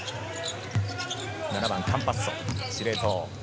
７番カンパッソ、司令塔。